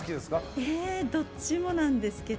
どっちもなんですけど。